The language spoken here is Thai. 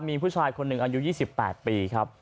มีผู้ชายคนหนึ่งอายุ๒๘ปีครับ